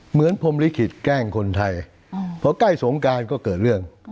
พรมลิขิตแกล้งคนไทยพอใกล้สงการก็เกิดเรื่อง